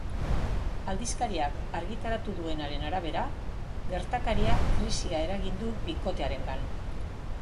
Aldizkariak argitaratu duenaren arabera, gertakariak krisia eragin du bikotearengan.